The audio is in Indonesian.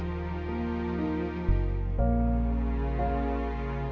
aku mencoba untuk mencoba